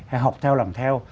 hay học theo làm theo